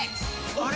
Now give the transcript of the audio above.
あれ？